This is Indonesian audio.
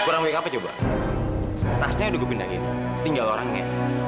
kurang baik apa coba tasnya udah gue pindahin tinggal orangnya